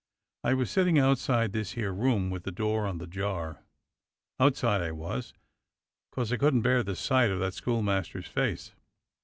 I was sitting outside this here room with the door on the jar — outside I was, 'cos I couldn't bear the sight of that schoolmaster's face.